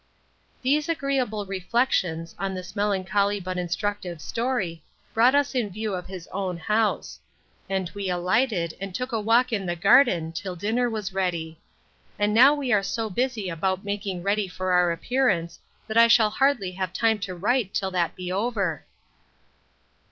These agreeable reflections, on this melancholy but instructive story, brought us in view of his own house; and we alighted, and took a walk in the garden till dinner was ready. And now we are so busy about making ready for our appearance, that I shall hardly have time to write till that be over.